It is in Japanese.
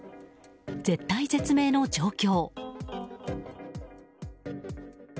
絶体絶命の状況。